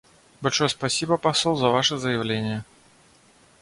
Большое спасибо, посол, за ваше заявление.